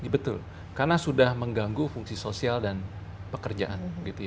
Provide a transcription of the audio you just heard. betul karena sudah mengganggu fungsi sosial dan pekerjaan